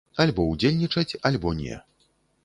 Альбо ўдзельнічаць, альбо не.